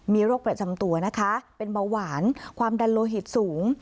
มีโรคประจำตัวนะคะเป็นเบาหวานความดันโลหิตสูง